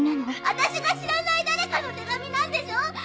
私が知らない誰かの手紙なんでしょ？